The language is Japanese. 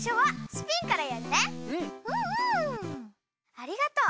ありがとう。